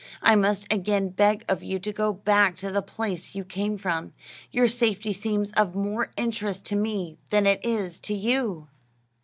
I must again beg of you to go back to the place you came from. Your safety seems of more interest to me than it is to you."